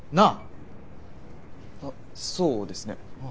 あそうですね。